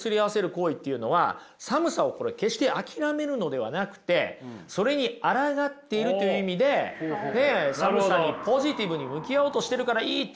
行為っていうのは寒さを決して諦めるのではなくてそれにあらがっているという意味で寒さにポジティブに向き合おうとしてるからいいっていうふうに言うわけですよ。